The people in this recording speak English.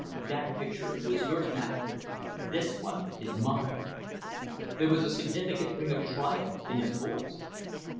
"That picture was yours, madam this one is mine." There was a significant ring of triumph in his voice.